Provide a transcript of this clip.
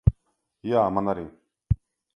Jā, man arī.